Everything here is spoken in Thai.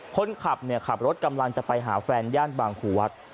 คนขับขับรถกำลังจะไปหาแฟนย่านบางครูวัด